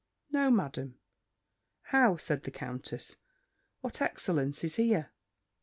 "No, Madam." "How!" said the countess; "what excellence is here!